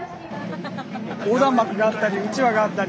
横断幕があったりうちわがあったり。